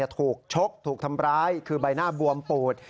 ถูกชกถูกทำร้ายคือใบหน้าบวมปูด